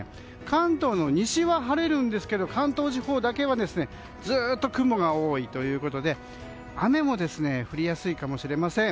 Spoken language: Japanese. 関東の西は晴れるんですが関東地方だけはずっと雲が多いということで雨も降りやすいかもしれません。